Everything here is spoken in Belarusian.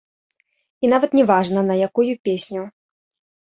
І нават не важна, на якую песню.